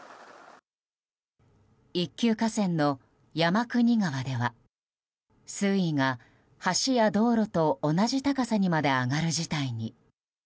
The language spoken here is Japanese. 一級河川の山国川では水位が橋や道路と同じ高さにまで上がる事態に。